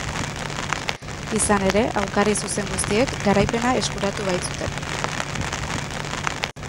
Izan ere, aurkari zuzen guztiek garaipena eskuratu baitzuten.